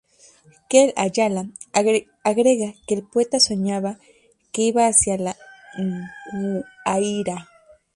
Key Ayala agrega que el poeta soñaba que iba hacia La Guaira.